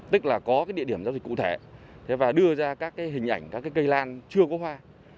tức là có địa điểm giao dịch cụ thể và đưa ra các hình ảnh các cây lan chưa có hoa